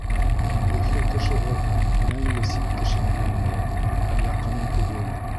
Өфө кешеһе мәңге сит кешене йәлләй, ә яҡынын түгел.